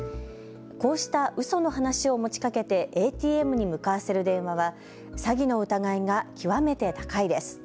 こうしたうその話を持ちかけてＡＴＭに向かわせる電話は詐欺の疑いが極めて高いです。